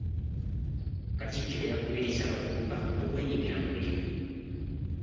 Katikkiro yakubirizza abavubuka okwenyigira mu bulimi.